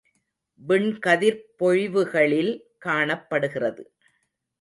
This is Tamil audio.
விண்கதிர்ப் பொழிவுகளில் காணப்படுகிறது.